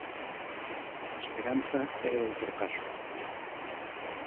Esperanza é outro caso.